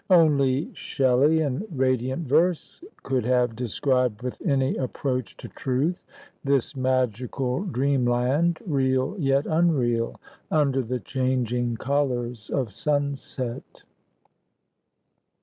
Only Shelley in radiant verse could have described with any approach to truth this magical dreamland, real yet unreal, under the changing colours of sunset.